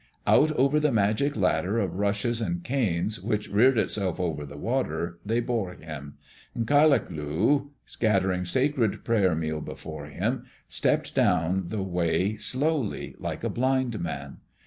Out over the magic ladder of rushes and canes which reared itself over the water, they bore him. And K yak lu, scattering sacred prayer meal before him, stepped down the way, slowly, like a blind man.